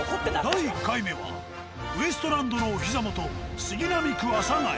第１回目はウエストランドのお膝元。